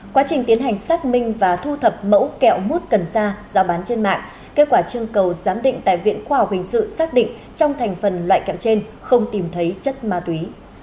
quá trình tiến hành xác minh và thu thập mẫu kẹo mút cần sa giao bán trên mạng kết quả chương cầu giám định tại viện khoa học hình sự xác định trong thành phần loại kẹo trên không tìm thấy chất ma túy